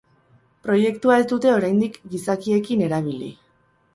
Proiektua ez dute oraindik gizakiekin erabili.